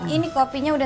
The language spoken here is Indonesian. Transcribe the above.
ini kopinya udah